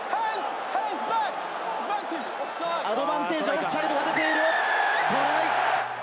アドバンテージ、オフサイドが出ている。